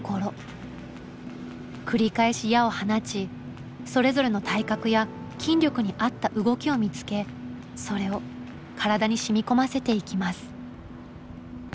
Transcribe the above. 繰り返し矢を放ちそれぞれの体格や筋力に合った動きを見つけそれを体に染み込ませていきます。